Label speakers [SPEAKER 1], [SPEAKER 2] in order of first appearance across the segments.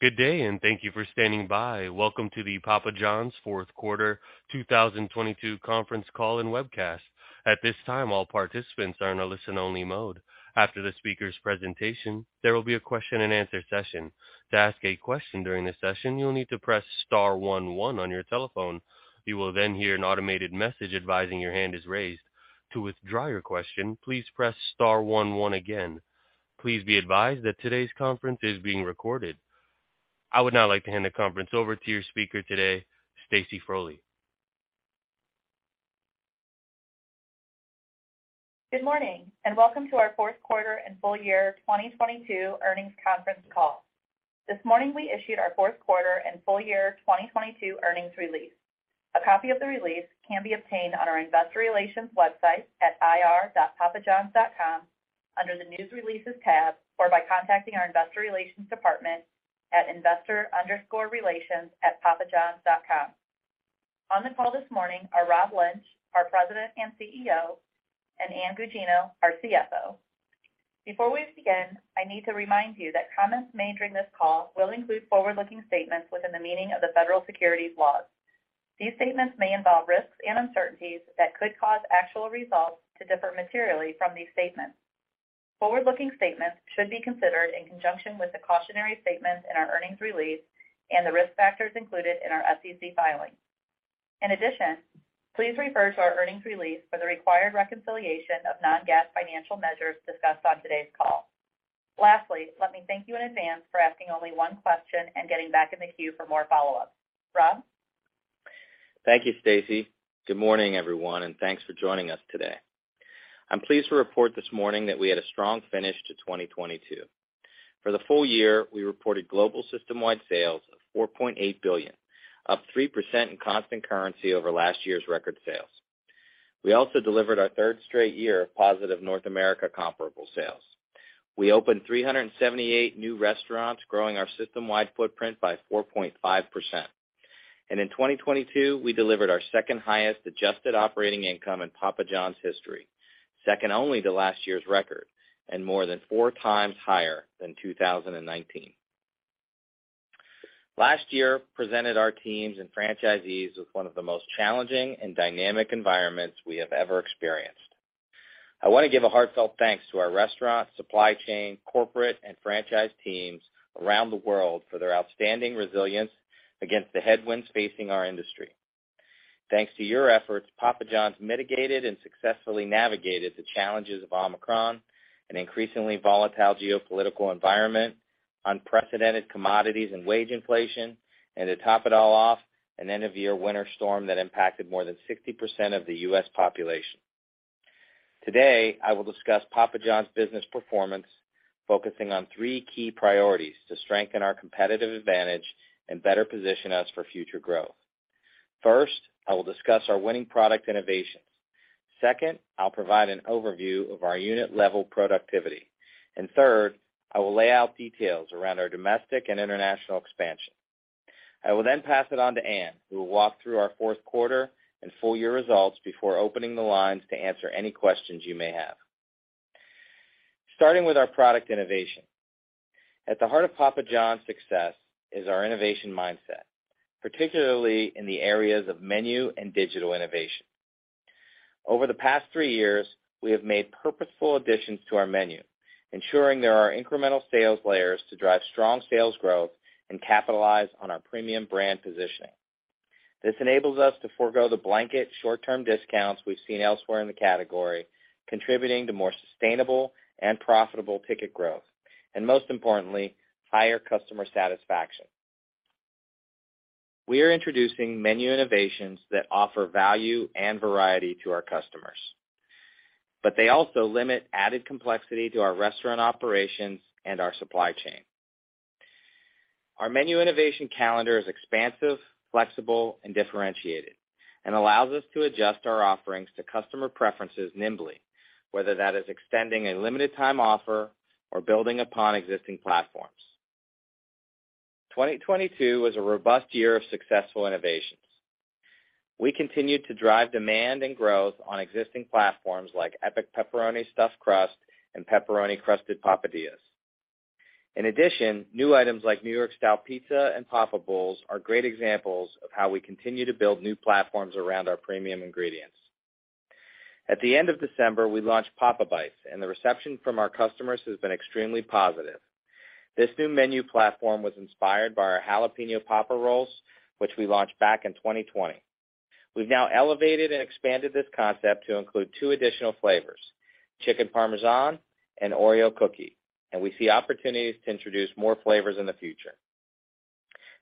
[SPEAKER 1] Good day, and thank you for standing by. Welcome to the Papa John's Fourth Quarter 2022 conference call and webcast. At this time, all participants are in a listen-only mode. After the speaker's presentation, there will be a question-and-answer session. To ask a question during the session, you'll need to press star one one on your telephone. You will then hear an automated message advising your hand is raised. To withdraw your question, please press star one one again. Please be advised that today's conference is being recorded. I would now like to hand the conference over to your speaker today, Stacy Frole.
[SPEAKER 2] Good morning, welcome to our fourth quarter and full year 2022 earnings conference call. This morning we issued our fourth quarter and full year 2022 earnings release. A copy of the release can be obtained on our investor relations website at ir.papajohns.com under the News Releases tab, or by contacting our investor relations department at investor_relations@papajohns.com. On the call this morning are Rob Lynch, our President and CEO, and Ann Gugino, our CFO. Before we begin, I need to remind you that comments made during this call will include forward-looking statements within the meaning of the federal securities laws. These statements may involve risks and uncertainties that could cause actual results to differ materially from these statements. Forward-looking statements should be considered in conjunction with the cautionary statements in our earnings release and the risk factors included in our SEC filings. In addition, please refer to our earnings release for the required reconciliation of non-GAAP financial measures discussed on today's call. Lastly, let me thank you in advance for asking only one question and getting back in the queue for more follow-up. Rob?
[SPEAKER 3] Thank you, Stacey. Good morning, everyone, thanks for joining us today. I'm pleased to report this morning that we had a strong finish to 2022. For the full year, we reported global system-wide sales of $4.8 billion, up 3% in constant currency over last year's record sales. We also delivered our third straight year of positive North America comparable sales. We opened 378 new restaurants, growing our system-wide footprint by 4.5%. In 2022, we delivered our second-highest adjusted operating income in Papa John's history, second only to last year's record and more than four times higher than 2019. Last year presented our teams and franchisees with one of the most challenging and dynamic environments we have ever experienced. I want to give a heartfelt thanks to our restaurant, supply chain, corporate, and franchise teams around the world for their outstanding resilience against the headwinds facing our industry. Thanks to your efforts, Papa John's mitigated and successfully navigated the challenges of Omicron, an increasingly volatile geopolitical environment, unprecedented commodities and wage inflation, to top it all off, an end-of-year winter storm that impacted more than 60% of the U.S. population. Today, I will discuss Papa John's business performance, focusing on three key priorities to strengthen our competitive advantage and better position us for future growth. First, I will discuss our winning product innovations. Second, I'll provide an overview of our unit-level productivity. Third, I will lay out details around our domestic and international expansion. I will pass it on to Ann, who will walk through our fourth quarter and full-year results before opening the lines to answer any questions you may have. Starting with our product innovation. At the heart of Papa John's success is our innovation mindset, particularly in the areas of menu and digital innovation. Over the past three years, we have made purposeful additions to our menu, ensuring there are incremental sales layers to drive strong sales growth and capitalize on our premium brand positioning. This enables us to forgo the blanket short-term discounts we've seen elsewhere in the category, contributing to more sustainable and profitable ticket growth, and most importantly, higher customer satisfaction. We are introducing menu innovations that offer value and variety to our customers, but they also limit added complexity to our restaurant operations and our supply chain. Our menu innovation calendar is expansive, flexible, and differentiated, and allows us to adjust our offerings to customer preferences nimbly, whether that is extending a limited time offer or building upon existing platforms. 2022 was a robust year of successful innovations. We continued to drive demand and growth on existing platforms like Epic Pepperoni-Stuffed Crust and Pepperoni-Crusted Papadias. In addition, new items like NY Style Pizza and Papa Bowls are great examples of how we continue to build new platforms around our premium ingredients. At the end of December, we launched Papa Bites, and the reception from our customers has been extremely positive. This new menu platform was inspired by our Jalapeño Popper Rolls, which we launched back in 2020. We've now elevated and expanded this concept to include two additional flavors, Chicken Parmesan and OREO Cookie. We see opportunities to introduce more flavors in the future.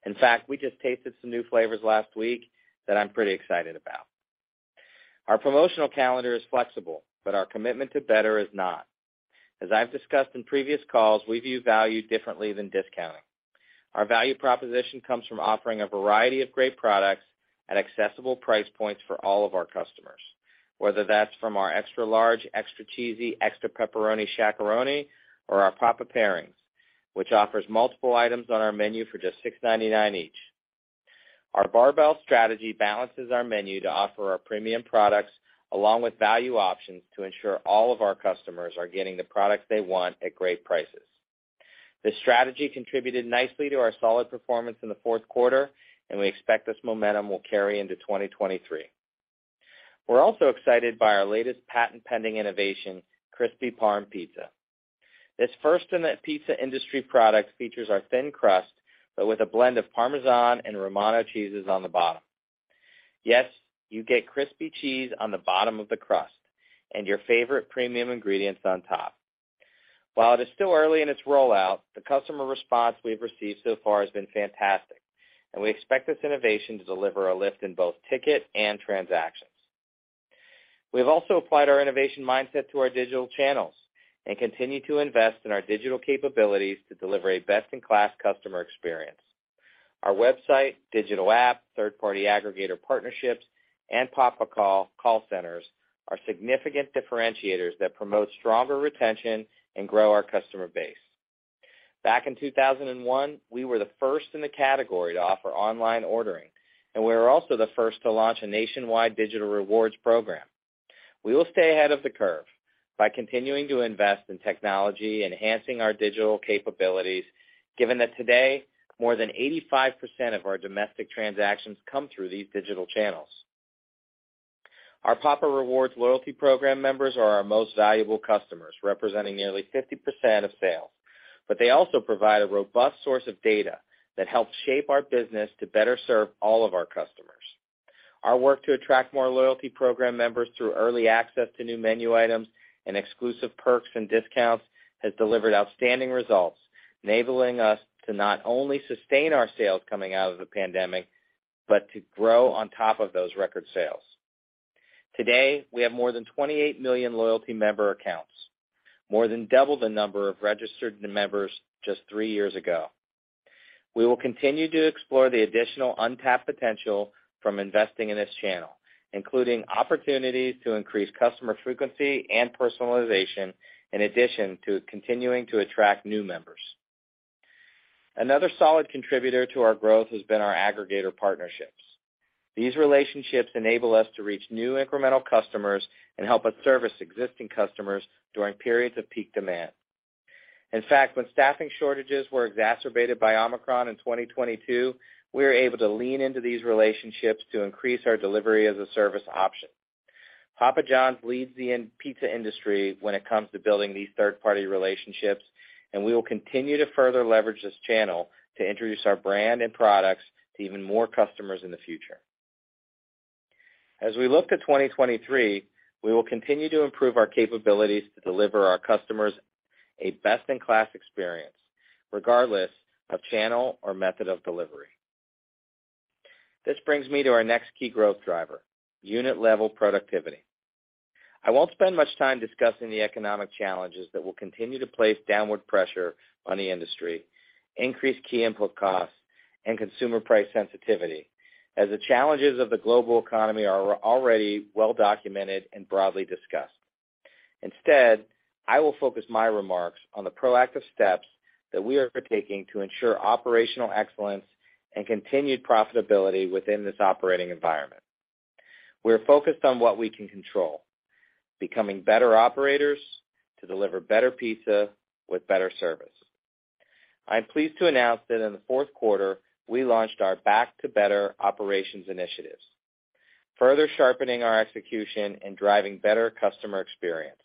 [SPEAKER 3] In fact, I just tasted some new flavors last week that I'm pretty excited about. Our promotional calendar is flexible. Our commitment to better is not. As I've discussed in previous calls, we view value differently than discounting. Our value proposition comes from offering a variety of great products at accessible price points for all of our customers, whether that's from our extra large, extra cheesy, extra pepperoni X 巨 or our Papa Pairings, which offers multiple items on our menu for just $6.99 each. Our barbell strategy balances our menu to offer our premium products along with value options to ensure all of our customers are getting the products they want at great prices. This strategy contributed nicely to our solid performance in the fourth quarter, and we expect this momentum will carry into 2023. We're also excited by our latest patent-pending innovation, Crispy Parm Pizza. This first-in-the-pizza-industry product features our thin crust, but with a blend of Parmesan and Romano cheeses on the bottom. Yes, you get crispy cheese on the bottom of the crust and your favorite premium ingredients on top. While it is still early in its rollout, the customer response we've received so far has been fantastic, and we expect this innovation to deliver a lift in both ticket and transactions. We have also applied our innovation mindset to our digital channels and continue to invest in our digital capabilities to deliver a best-in-class customer experience. Our website, digital app, third-party aggregator partnerships, and Papa Call call centers are significant differentiators that promote stronger retention and grow our customer base. Back in 2001, we were the first in the category to offer online ordering, and we were also the first to launch a nationwide digital rewards program. We will stay ahead of the curve by continuing to invest in technology, enhancing our digital capabilities, given that today, more than 85% of our domestic transactions come through these digital channels. Our Papa Rewards loyalty program members are our most valuable customers, representing nearly 50% of sales, but they also provide a robust source of data that helps shape our business to better serve all of our customers. Our work to attract more loyalty program members through early access to new menu items and exclusive perks and discounts has delivered outstanding results, enabling us to not only sustain our sales coming out of the pandemic, but to grow on top of those record sales. Today, we have more than 28 million loyalty member accounts, more than double the number of registered members just three years ago. We will continue to explore the additional untapped potential from investing in this channel, including opportunities to increase customer frequency and personalization, in addition to continuing to attract new members. Another solid contributor to our growth has been our aggregator partnerships. These relationships enable us to reach new incremental customers and help us service existing customers during periods of peak demand. In fact, when staffing shortages were exacerbated by Omicron in 2022, we were able to lean into these relationships to increase our Delivery as a Service option. Papa Johns leads the pizza industry when it comes to building these third-party relationships. We will continue to further leverage this channel to introduce our brand and products to even more customers in the future. As we look to 2023, we will continue to improve our capabilities to deliver our customers a best-in-class experience, regardless of channel or method of delivery. This brings me to our next key growth driver, unit-level productivity. I won't spend much time discussing the economic challenges that will continue to place downward pressure on the industry, increase key input costs, and consumer price sensitivity, as the challenges of the global economy are already well documented and broadly discussed. Instead, I will focus my remarks on the proactive steps that we are taking to ensure operational excellence and continued profitability within this operating environment. We're focused on what we can control, becoming better operators to deliver better pizza with better service. I'm pleased to announce that in the fourth quarter, we launched our Back to Better operations initiatives, further sharpening our execution and driving better customer experience.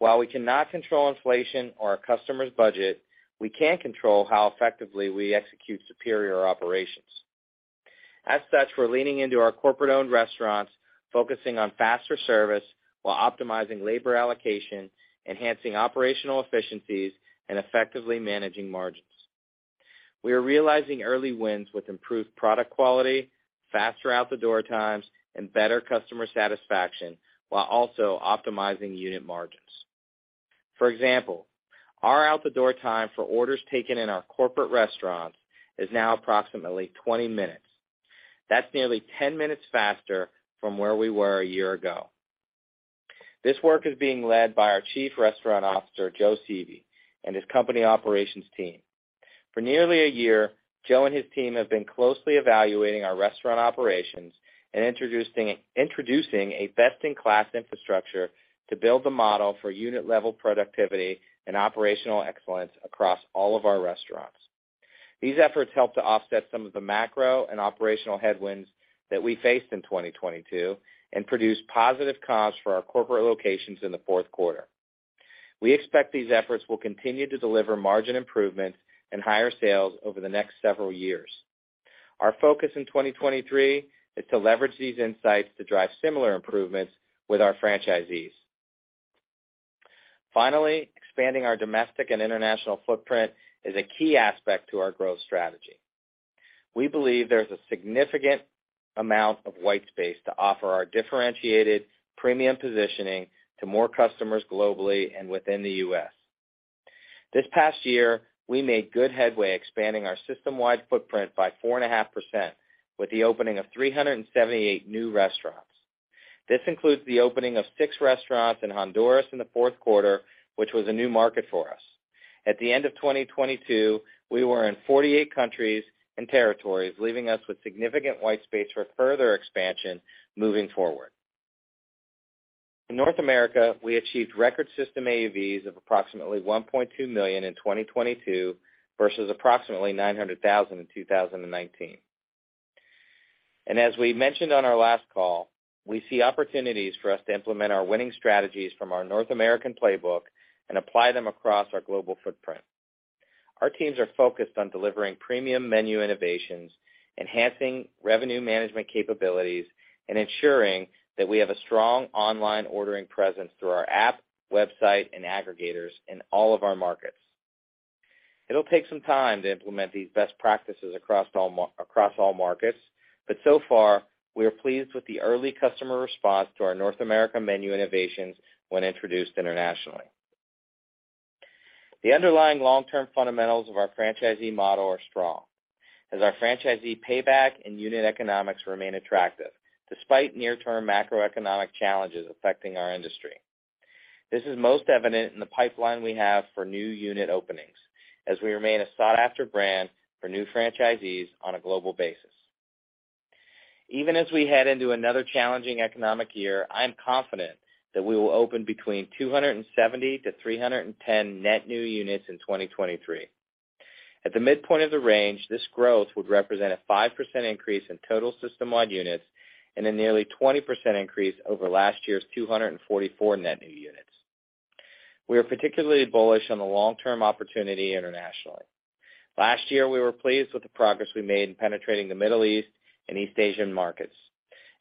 [SPEAKER 3] While we cannot control inflation or our customers' budget, we can control how effectively we execute superior operations. As such, we're leaning into our corporate-owned restaurants, focusing on faster service while optimizing labor allocation, enhancing operational efficiencies, and effectively managing margins. We are realizing early wins with improved product quality, faster out-the-door times, and better customer satisfaction, while also optimizing unit margins. For example, our out-the-door time for orders taken in our corporate restaurants is now approximately 20 minutes. That's nearly 10 minutes faster from where we were a year ago. This work is being led by our Chief Restaurant Officer, Joe Sieve, and his company operations team. For nearly a year, Joe and his team have been closely evaluating our restaurant operations and introducing a best-in-class infrastructure to build the model for unit-level productivity and operational excellence across all of our restaurants. These efforts help to offset some of the macro and operational headwinds that we faced in 2022 and produce positive comps for our corporate locations in the fourth quarter. We expect these efforts will continue to deliver margin improvements and higher sales over the next several years. Our focus in 2023 is to leverage these insights to drive similar improvements with our franchisees. Expanding our domestic and international footprint is a key aspect to our growth strategy. We believe there's a significant amount of white space to offer our differentiated premium positioning to more customers globally and within the U.S. This past year, we made good headway expanding our system-wide footprint by 4.5% with the opening of 378 new restaurants. This includes the opening of 6 restaurants in Honduras in the fourth quarter, which was a new market for us. At the end of 2022, we were in 48 countries and territories, leaving us with significant white space for further expansion moving forward. In North America, we achieved record system AUVs of approximately $1.2 million in 2022 versus approximately $900,000 in 2019. As we mentioned on our last call, we see opportunities for us to implement our winning strategies from our North American playbook and apply them across our global footprint. Our teams are focused on delivering premium menu innovations, enhancing revenue management capabilities, and ensuring that we have a strong online ordering presence through our app, website, and aggregators in all of our markets. It'll take some time to implement these best practices across all markets, but so far, we are pleased with the early customer response to our North America menu innovations when introduced internationally. The underlying long-term fundamentals of our franchisee model are strong, as our franchisee payback and unit economics remain attractive despite near-term macroeconomic challenges affecting our industry. This is most evident in the pipeline we have for new unit openings as we remain a sought-after brand for new franchisees on a global basis. Even as we head into another challenging economic year, I am confident that we will open between 270-310 net new units in 2023. At the midpoint of the range, this growth would represent a 5% increase in total system-wide units and a nearly 20% increase over last year's 244 net new units. We are particularly bullish on the long-term opportunity internationally. Last year, we were pleased with the progress we made in penetrating the Middle East and East Asian markets,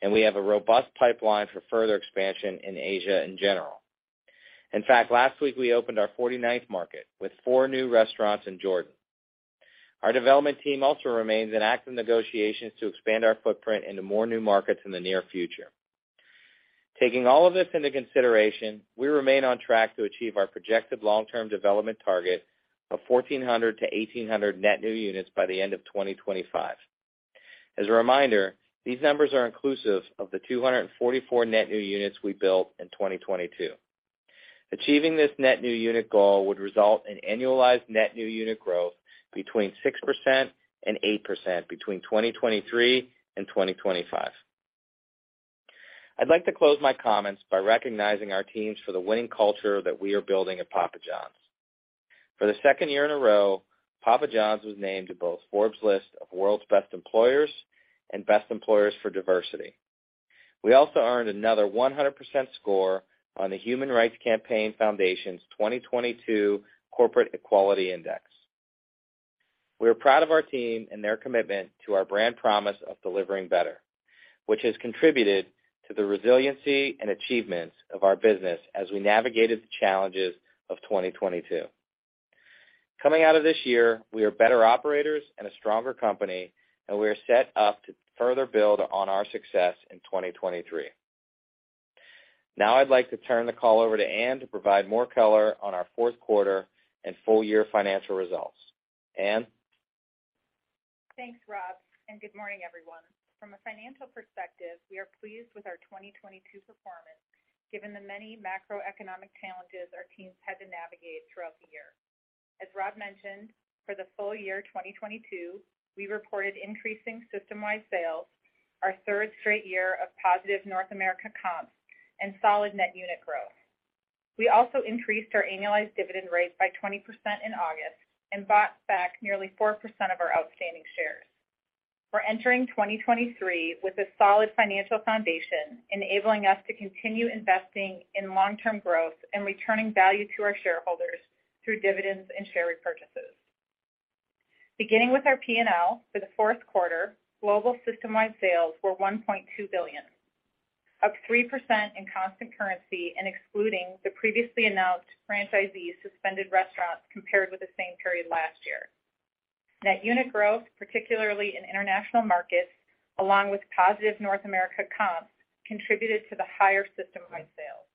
[SPEAKER 3] and we have a robust pipeline for further expansion in Asia in general. In fact, last week, we opened our 49th market with four new restaurants in Jordan. Our development team also remains in active negotiations to expand our footprint into more new markets in the near future. Taking all of this into consideration, we remain on track to achieve our projected long-term development target of 1,400-1,800 net new units by the end of 2025. As a reminder, these numbers are inclusive of the 244 net new units we built in 2022. Achieving this net new unit goal would result in annualized net new unit growth between 6% and 8% between 2023 and 2025. I'd like to close my comments by recognizing our teams for the winning culture that we are building at Papa Johns. For the second year in a row, Papa Johns was named to both Forbes list of World's Best Employers and Best Employers for Diversity. We also earned another 100% score on the Human Rights Campaign Foundation's 2022 Corporate Equality Index. We are proud of our team and their commitment to our brand promise of delivering better, which has contributed to the resiliency and achievements of our business as we navigated the challenges of 2022. Coming out of this year, we are better operators and a stronger company. We are set up to further build on our success in 2023. Now I'd like to turn the call over to Ann to provide more color on our fourth quarter and full year financial results. Ann?
[SPEAKER 4] Thanks, Rob. Good morning, everyone. From a financial perspective, we are pleased with our 2022 performance, given the many macroeconomic challenges our teams had to navigate throughout the year. As Rob mentioned, for the full year 2022, we reported increasing system-wide sales, our third straight year of positive North America comps, and solid net unit growth. We also increased our annualized dividend rate by 20% in August and bought back nearly 4% of our outstanding shares. We're entering 2023 with a solid financial foundation, enabling us to continue investing in long-term growth and returning value to our shareholders through dividends and share repurchases. Beginning with our P&L for the fourth quarter, global system-wide sales were $1.2 billion, up 3% in constant currency and excluding the previously announced franchisee suspended restaurants compared with the same period last year. Net unit growth, particularly in international markets, along with positive North America comps, contributed to the higher system-wide sales.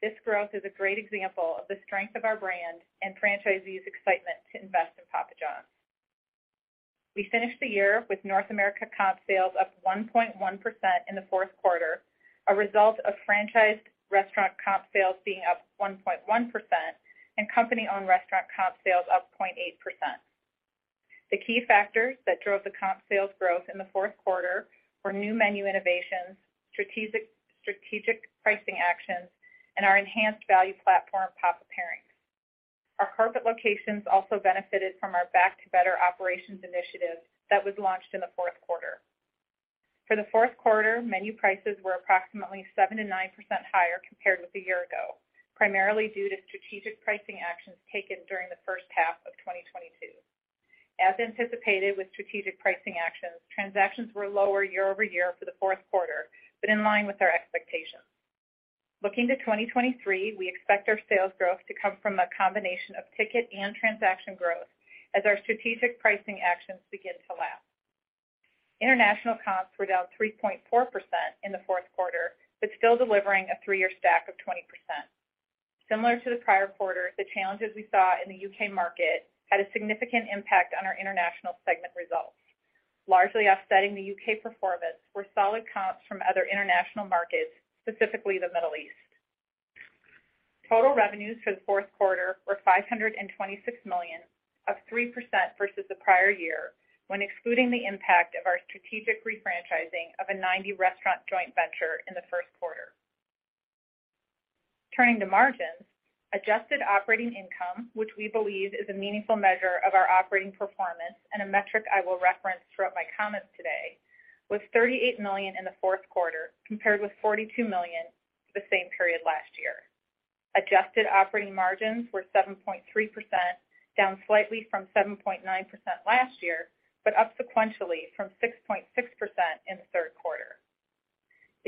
[SPEAKER 4] This growth is a great example of the strength of our brand and franchisees' excitement to invest in Papa Johns. We finished the year with North America comp sales up 1.1% in the fourth quarter, a result of franchised restaurant comp sales being up 1.1% and company-owned restaurant comp sales up 0.8%. The key factors that drove the comp sales growth in the fourth quarter were new menu innovations, strategic pricing actions, and our enhanced value platform, Papa Pairings. Our corporate locations also benefited from our Back to Better Operations initiative that was launched in the fourth quarter. For the fourth quarter, menu prices were approximately 7%-9% higher compared with a year ago, primarily due to strategic pricing actions taken during the first half of 2022. As anticipated with strategic pricing actions, transactions were lower year-over-year for the fourth quarter, but in line with our expectations. Looking to 2023, we expect our sales growth to come from a combination of ticket and transaction growth as our strategic pricing actions begin to lap. International comps were down 3.4% in the fourth quarter, but still delivering a 3-year stack of 20%. Similar to the prior quarter, the challenges we saw in the U.K. market had a significant impact on our international segment results. Largely offsetting the U.K. performance were solid comps from other international markets, specifically the Middle East. Total revenues for the fourth quarter were $526 million, up 3% versus the prior year when excluding the impact of our strategic refranchising of a 90 restaurant joint venture in the first quarter. Turning to margins, adjusted operating income, which we believe is a meaningful measure of our operating performance and a metric I will reference throughout my comments today, was $38 million in the fourth quarter compared with $42 million the same period last year. Adjusted operating margins were 7.3%, down slightly from 7.9% last year, but up sequentially from 6.6% in the third quarter.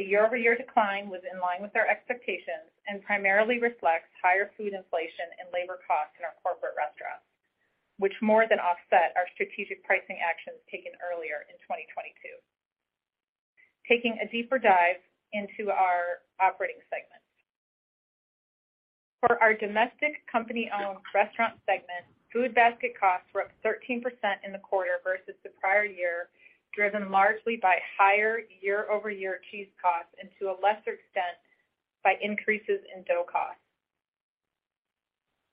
[SPEAKER 4] The year-over-year decline was in line with our expectations and primarily reflects higher food inflation and labor costs in our corporate restaurants, which more than offset our strategic pricing actions taken earlier in 2022. Taking a deeper dive into our operating segments. For our domestic company-owned restaurant segment, food basket costs were up 13% in the quarter versus the prior year, driven largely by higher year-over-year cheese costs and to a lesser extent by increases in dough costs.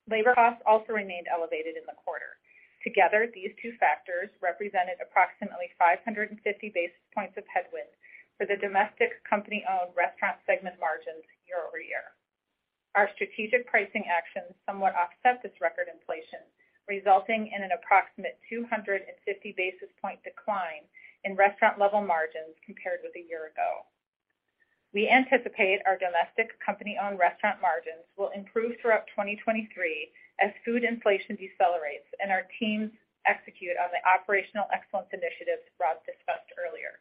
[SPEAKER 4] Labor costs also remained elevated in the quarter. Together, these two factors represented approximately 550 basis points of headwind for the domestic company-owned restaurant segment margins year over year. Our strategic pricing actions somewhat offset this record inflation, resulting in an approximate 250 basis point decline in restaurant level margins compared with a year ago. We anticipate our domestic company-owned restaurant margins will improve throughout 2023 as food inflation decelerates and our teams execute on the operational excellence initiatives Rob discussed earlier.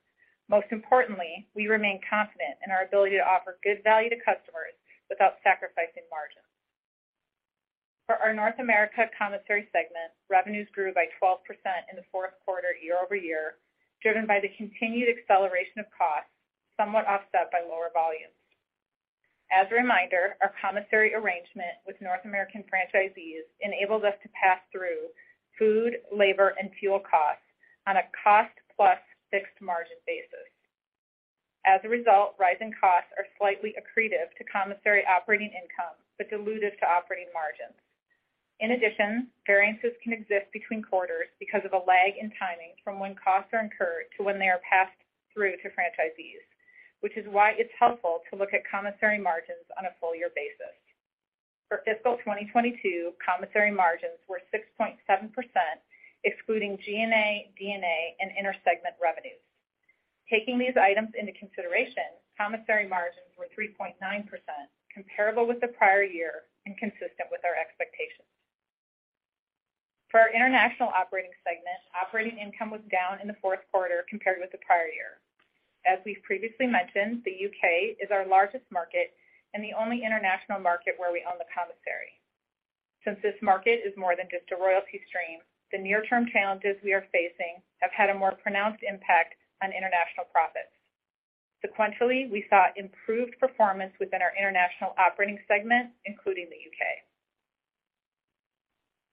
[SPEAKER 4] Most importantly, we remain confident in our ability to offer good value to customers without sacrificing margins. For our North America commissary segment, revenues grew by 12% in the fourth quarter year-over-year, driven by the continued acceleration of costs, somewhat offset by lower volumes. As a reminder, our commissary arrangement with North American franchisees enables us to pass through food, labor, and fuel costs on a cost plus fixed margin basis. As a result, rising costs are slightly accretive to commissary operating income, but dilutive to operating margins. In addition, variances can exist between quarters because of a lag in timing from when costs are incurred to when they are passed through to franchisees, which is why it's helpful to look at commissary margins on a full year basis. For fiscal 2022, commissary margins were 6.7%, excluding G&A, D&A, and inter-segment revenues. Taking these items into consideration, commissary margins were 3.9%, comparable with the prior year and consistent with our expectations. For our international operating segment, operating income was down in the fourth quarter compared with the prior year. As we've previously mentioned, the U.K. is our largest market and the only international market where we own the commissary. Since this market is more than just a royalty stream, the near-term challenges we are facing have had a more pronounced impact on international profits. Sequentially, we saw improved performance within our international operating segment, including the U.K.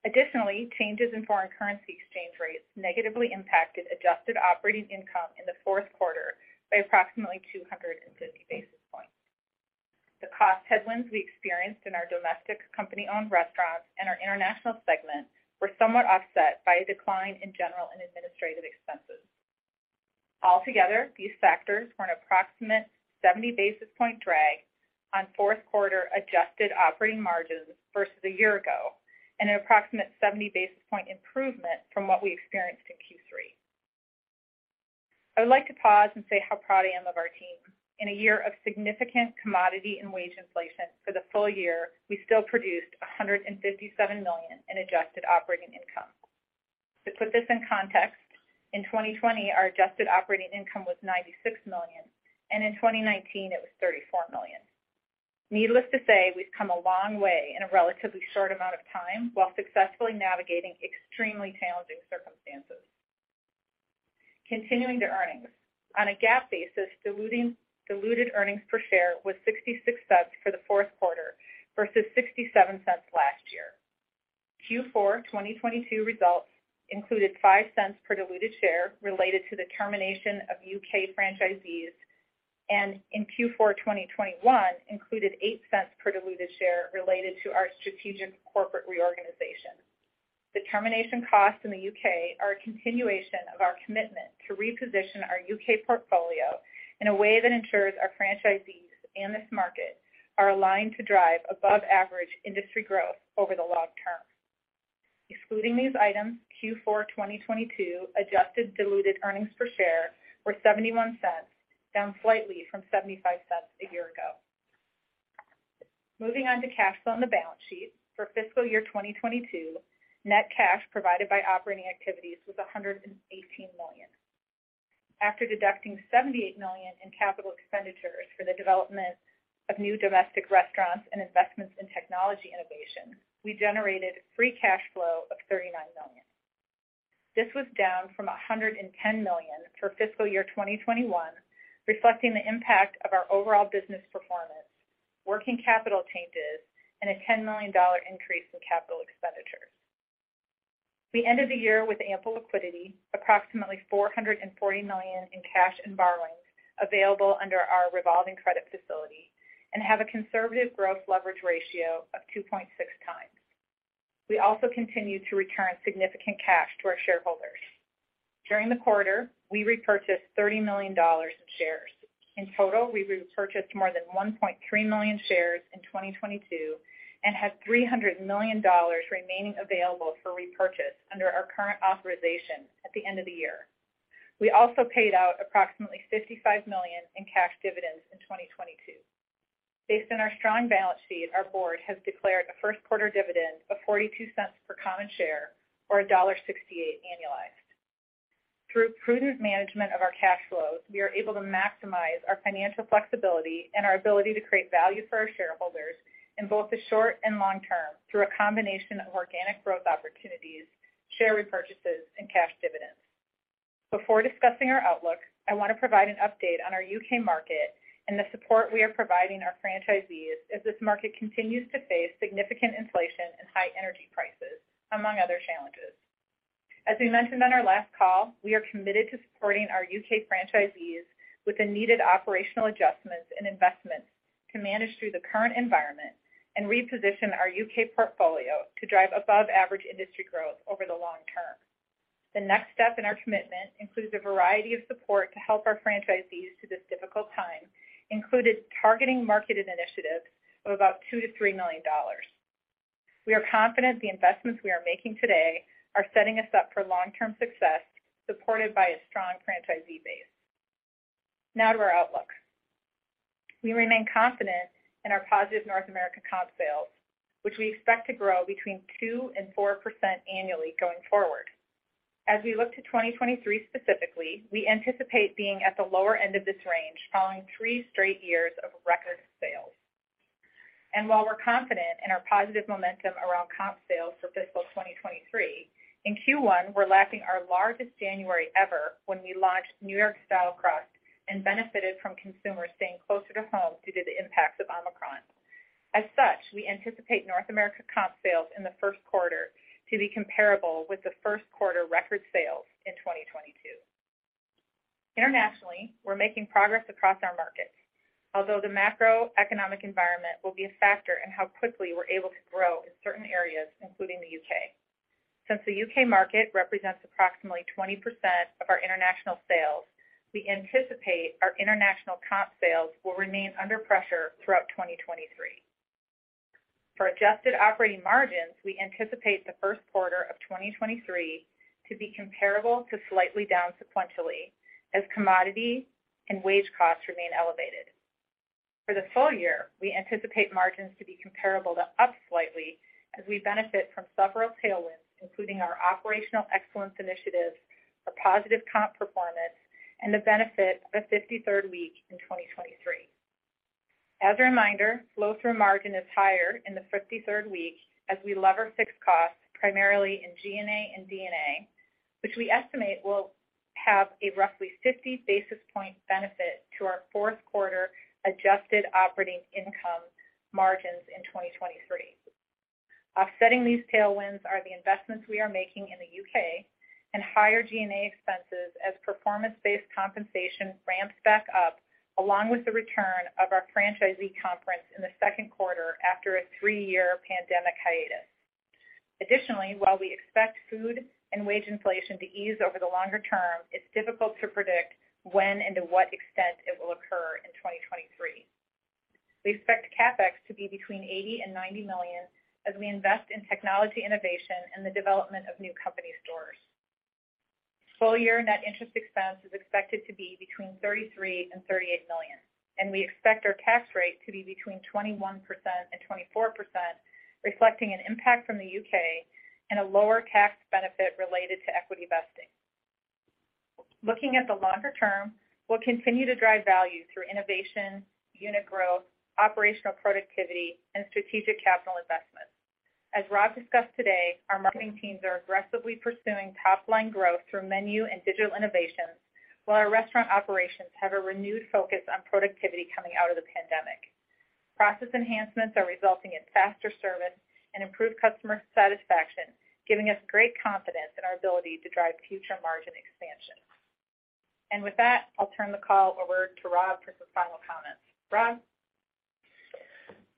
[SPEAKER 4] Additionally, changes in foreign currency exchange rates negatively impacted adjusted operating income in the fourth quarter by approximately 250 basis points. The cost headwinds we experienced in our domestic company-owned restaurants and our international segment were somewhat offset by a decline in general and administrative expenses. Altogether, these factors were an approximate 70 basis point drag on fourth quarter adjusted operating margins versus a year ago and an approximate 70 basis point improvement from what we experienced in Q3. I would like to pause and say how proud I am of our team. In a year of significant commodity and wage inflation for the full year, we still produced $157 million in adjusted operating income. To put this in context, in 2020, our adjusted operating income was $96 million, and in 2019 it was $34 million. Needless to say, we've come a long way in a relatively short amount of time while successfully navigating extremely challenging circumstances. Continuing to earnings. On a GAAP basis, diluted earnings per share was $0.66 for the fourth quarter versus $0.67 last year. Q4 2022 results included $0.05 per diluted share related to the termination of U.K. franchisees, and in Q4 2021 included $0.08 per diluted share related to our strategic corporate reorganization. The termination costs in the U.K. are a continuation of our commitment to reposition our U.K. portfolio in a way that ensures our franchisees and this market are aligned to drive above average industry growth over the long term. Excluding these items, Q4 2022 adjusted diluted earnings per share were $0.71, down slightly from $0.75 a year ago. Moving on to cash flow on the balance sheet. For fiscal year 2022, net cash provided by operating activities was $118 million. After deducting $78 million in capital expenditures for the development of new domestic restaurants and investments in technology innovation, we generated free cash flow of $39 million. This was down from $110 million for fiscal year 2021, reflecting the impact of our overall business performance, working capital changes, and a $10 million increase in capital expenditures. We ended the year with ample liquidity, approximately $440 million in cash and borrowings available under our revolving credit facility, and have a conservative growth leverage ratio of 2.6 times. We also continue to return significant cash to our shareholders. During the quarter, we repurchased $30 million in shares. In total, we've repurchased more than 1.3 million shares in 2022 and had $300 million remaining available for repurchase under our current authorization at the end of the year. We also paid out approximately $55 million in cash dividends in 2022. Based on our strong balance sheet, our board has declared a first quarter dividend of $0.42 per common share or $1.68 annualized. Through prudent management of our cash flows, we are able to maximize our financial flexibility and our ability to create value for our shareholders in both the short and long term through a combination of organic growth opportunities, share repurchases, and cash dividends. Before discussing our outlook, I want to provide an update on our U.K. market and the support we are providing our franchisees as this market continues to face significant inflation and high energy prices, among other challenges. As we mentioned on our last call, we are committed to supporting our U.K. franchisees with the needed operational adjustments and investments to manage through the current environment and reposition our U.K. portfolio to drive above average industry growth over the long term. The next step in our commitment includes a variety of support to help our franchisees through this difficult time, included targeting marketed initiatives of about $2-3 million. We are confident the investments we are making today are setting us up for long-term success, supported by a strong franchisee base. To our outlook. We remain confident in our positive North America comp sales, which we expect to grow between 2% and 4% annually going forward. As we look to 2023 specifically, we anticipate being at the lower end of this range following three straight years of record sales. While we're confident in our positive momentum around comp sales for fiscal 2023, in Q1, we're lacking our largest January ever when we launched New York Style crust and benefited from consumers staying closer to home due to the impacts of Omicron. As such, we anticipate North America comp sales in the first quarter to be comparable with the first quarter record sales in 2022. Internationally, we're making progress across our markets, although the macroeconomic environment will be a factor in how quickly we're able to grow in certain areas, including the UK. Since the UK market represents approximately 20% of our international sales, we anticipate our international comp sales will remain under pressure throughout 2023. For adjusted operating margins, we anticipate the first quarter of 2023 to be comparable to slightly down sequentially as commodity and wage costs remain elevated. For the full year, we anticipate margins to be comparable to up slightly as we benefit from several tailwinds, including our operational excellence initiatives, a positive comp performance, and the benefit of a 53rd week in 2023. As a reminder, flow-through margin is higher in the 53rd week as we lever fixed costs primarily in G&A and D&A, which we estimate will have a roughly 50 basis point benefit to our fourth quarter adjusted operating income margins in 2023. Offsetting these tailwinds are the investments we are making in the U.K. and higher G&A expenses as performance-based compensation ramps back up along with the return of our franchisee conference in the second quarter after a three year pandemic hiatus. Additionally, while we expect food and wage inflation to ease over the longer term, it's difficult to predict when and to what extent it will occur in 2023. We expect CapEx to be between $80-90 million as we invest in technology innovation and the development of new company stores. Full year net interest expense is expected to be between $33-38 million, and we expect our tax rate to be between 21%-24%, reflecting an impact from the UK and a lower tax benefit related to equity vesting. Looking at the longer term, we'll continue to drive value through innovation, unit growth, operational productivity, and strategic capital investments. As Rob discussed today, our marketing teams are aggressively pursuing top-line growth through menu and digital innovations, while our restaurant operations have a renewed focus on productivity coming out of the pandemic. Process enhancements are resulting in faster service and improved customer satisfaction, giving us great confidence in our ability to drive future margin expansion. With that, I'll turn the call over to Rob for some final comments.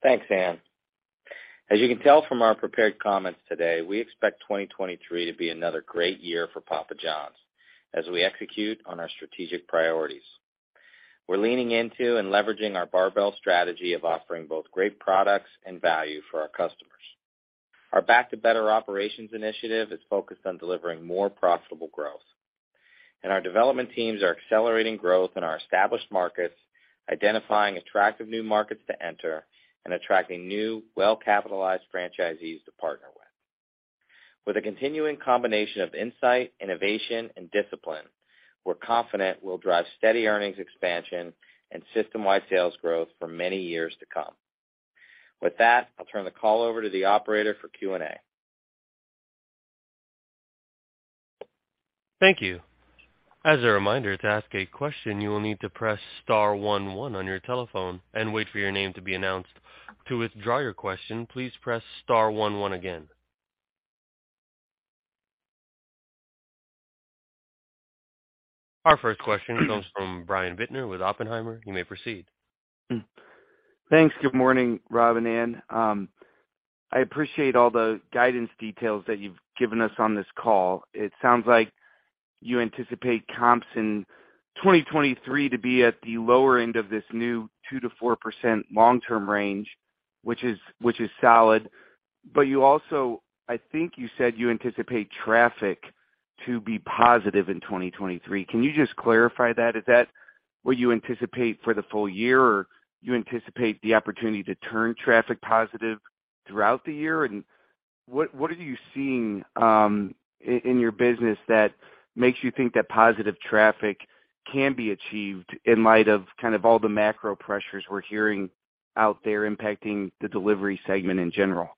[SPEAKER 4] Rob?
[SPEAKER 3] Thanks, Ann. As you can tell from our prepared comments today, we expect 2023 to be another great year for Papa Johns as we execute on our strategic priorities. We're leaning into and leveraging our barbell strategy of offering both great products and value for our customers. Our Back to Better Operations initiative is focused on delivering more profitable growth, and our development teams are accelerating growth in our established markets, identifying attractive new markets to enter, and attracting new, well-capitalized franchisees to partner with. With a continuing combination of insight, innovation, and discipline, we're confident we'll drive steady earnings expansion and system-wide sales growth for many years to come. With that, I'll turn the call over to the operator for Q&A.
[SPEAKER 1] Thank you. As a reminder, to ask a question, you will need to press star one one on your telephone and wait for your name to be announced. To withdraw your question, please press star one one again. Our first question comes from Brian Bittner with Oppenheimer. You may proceed.
[SPEAKER 5] Thanks. Good morning, Rob and Ann. I appreciate all the guidance details that you've given us on this call. It sounds like you anticipate comps in 2023 to be at the lower end of this new 2%-4% long-term range, which is, which is solid. You also, I think you said you anticipate traffic to be positive in 2023. Can you just clarify that? Is that what you anticipate for the full year, or you anticipate the opportunity to turn traffic positive throughout the year? What are you seeing in your business that makes you think that positive traffic can be achieved in light of kind of all the macro pressures we're hearing out there impacting the delivery segment in general?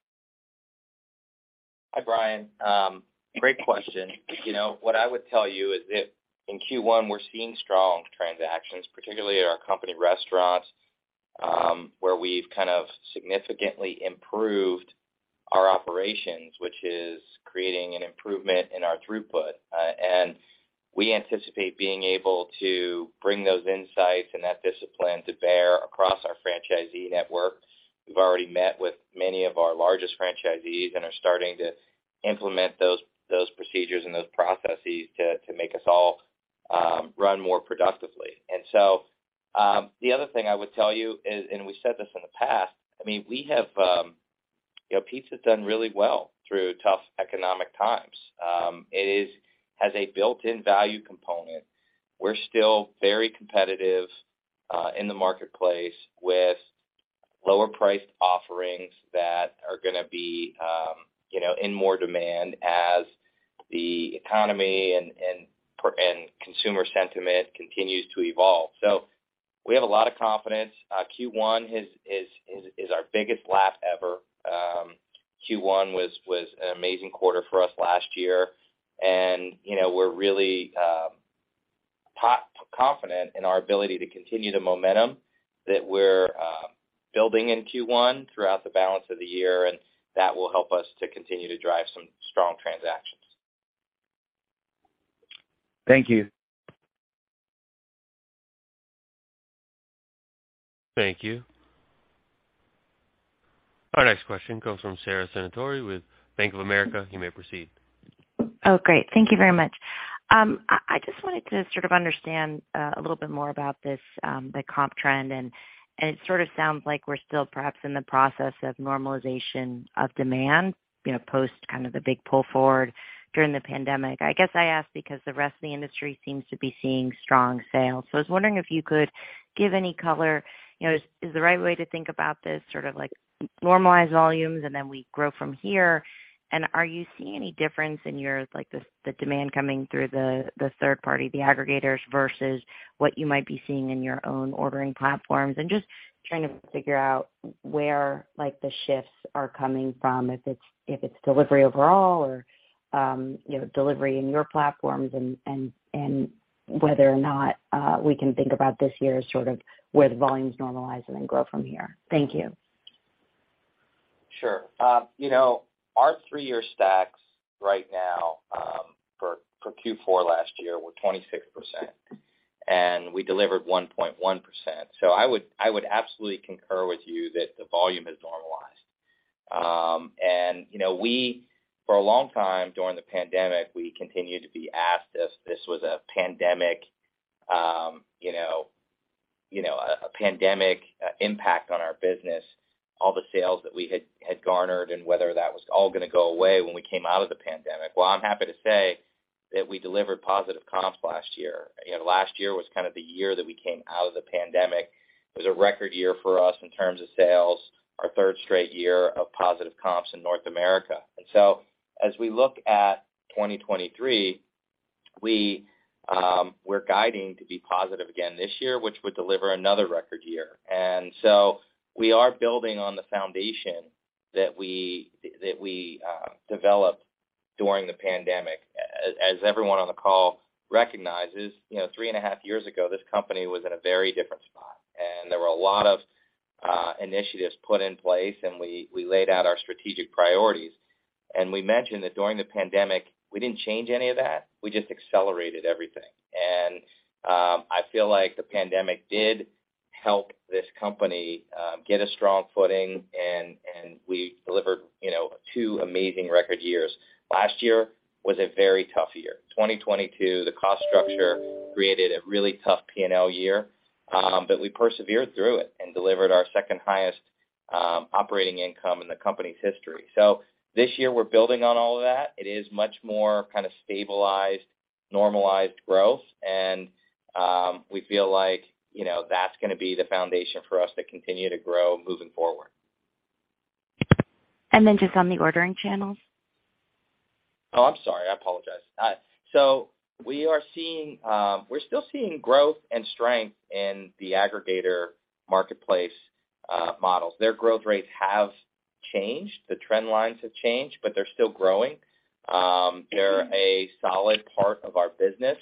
[SPEAKER 3] Hi, Brian. Great question. You know, what I would tell you is that in Q1 we're seeing strong transactions, particularly at our company restaurants, where we've kind of significantly improved our operations, which is creating an improvement in our throughput. We anticipate being able to bring those insights and that discipline to bear across our franchisee network. We've already met with many of our largest franchisees and are starting to implement those procedures and those processes to make us all run more productively. The other thing I would tell you is, and we've said this in the past, I mean, we have, you know, pizza has done really well through tough economic times. It has a built-in value component. We're still very competitive, in the marketplace with lower priced offerings that are gonna be, you know, in more demand as the economy and consumer sentiment continues to evolve. We have a lot of confidence. Q1 is our biggest lap ever. Q1 was an amazing quarter for us last year. You know, we're really confident in our ability to continue the momentum that we're building in Q1 throughout the balance of the year, that will help us to continue to drive some strong transactions.
[SPEAKER 5] Thank you.
[SPEAKER 1] Thank you. Our next question comes from Sara Senatore with Bank of America. You may proceed.
[SPEAKER 6] Great. Thank you very much. I just wanted to sort of understand a little bit more about this, the comp trend. It sort of sounds like we're still perhaps in the process of normalization of demand, you know, post kind of the big pull forward during the pandemic. I guess I ask because the rest of the industry seems to be seeing strong sales. I was wondering if you could give any color. You know, is the right way to think about this sort of like normalized volumes, and then we grow from here? Are you seeing any difference in your, like, the demand coming through the third party, the aggregators, versus what you might be seeing in your own ordering platforms? Just trying to figure out where, like, the shifts are coming from, if it's delivery overall or, you know, delivery in your platforms and whether or not we can think about this year as sort of where the volumes normalize and then grow from here. Thank you.
[SPEAKER 3] Sure. You know, our three-year stacks right now, for Q4 last year were 26%, and we delivered 1.1%. I would absolutely concur with you that the volume has normalized. You know, we, for a long time during the pandemic, we continued to be asked if this was a pandemic, you know, a pandemic impact on our business, all the sales that we had garnered and whether that was all gonna go away when we came out of the pandemic. Well, I'm happy to say that we delivered positive comps last year. You know, last year was kind of the year that we came out of the pandemic. It was a record year for us in terms of sales, our third straight year of positive comps in North America. As we look at 2023, we're guiding to be positive again this year, which would deliver another record year. We are building on the foundation that we developed during the pandemic. As everyone on the call recognizes, you know, three and a half years ago, this company was in a very different spot, and there were a lot of initiatives put in place, and we laid out our strategic priorities. We mentioned that during the pandemic, we didn't change any of that, we just accelerated everything. I feel like the pandemic did help this company get a strong footing and we delivered, you know, two amazing record years. Last year was a very tough year. 2022, the cost structure created a really tough P&L year, but we persevered through it and delivered our second highest operating income in the company's history. This year we're building on all of that. It is much more kind of stabilized, normalized growth and, we feel like, you know, that's gonna be the foundation for us to continue to grow moving forward.
[SPEAKER 6] Just on the ordering channels.
[SPEAKER 3] Oh, I'm sorry. I apologize. We're still seeing growth and strength in the aggregator marketplace models. Their growth rates have changed. The trend lines have changed, they're still growing. They're a solid part of our business,